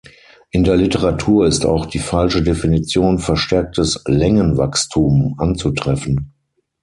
In der Literatur ist auch die falsche Definition „verstärktes Längenwachstum“ anzutreffen.